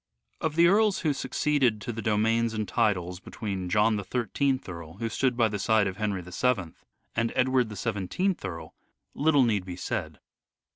Of the earls who succeeded to the domains and titles between John the I3th Earl, who stood by the side of Henry VII, and Edward the iyth Earl, little need be said.